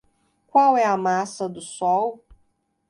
Qual é a massa do sol?